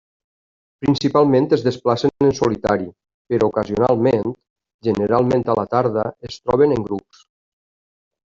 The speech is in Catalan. Principalment es desplacen en solitari, però ocasionalment, generalment a la tarda, es troben en grups.